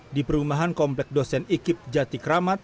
di perumahan komplek dosen ikib jati kramat